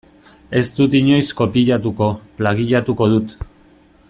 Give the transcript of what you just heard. Ez dut inoiz kopiatuko, plagiatuko dut.